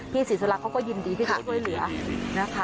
พี่ศรีสาระเขาก็ยินดีที่ดูด้วยเหลือนะคะ